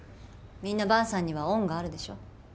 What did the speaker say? みんな萬さんには恩があるでしょ。